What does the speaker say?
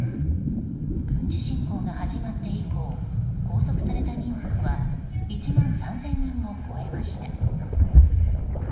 軍事侵攻が始まって以降拘束された人数は１万３０００人を超えました。